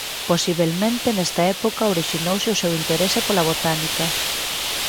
Posibelmente nesta época orixinouse o seu interese pola botánica.